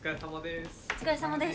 お疲れさまです。